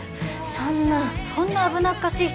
そんなそんな危なっかしい人